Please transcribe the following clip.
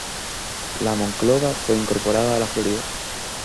La Monclova fue incorporada a la Florida.